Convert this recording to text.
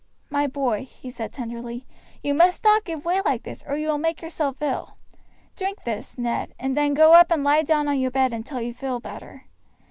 "My boy," he said tenderly, "you must not give way like this or you will make yourself ill. Drink this, Ned, and then go up and lie down on your bed until you feel better.